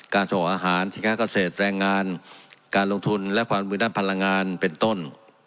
ส่งอาหารสินค้าเกษตรแรงงานการลงทุนและความมือด้านพลังงานเป็นต้น